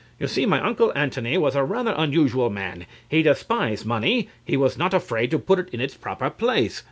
You see, my Uncle Antony was a rather unusual man. He despised money. He was not afraid to put it in its proper place.